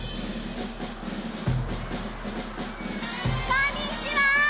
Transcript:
こんにちは！